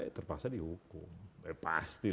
yang terpaksa dihukum pasti